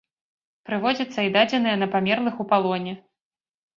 Прыводзяцца і дадзеныя на памерлых у палоне.